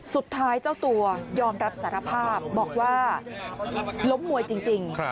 เจ้าตัวยอมรับสารภาพบอกว่าล้มมวยจริง